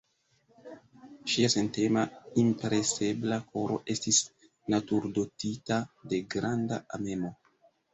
Ŝia sentema, impresebla koro estis naturdotita de granda amemo.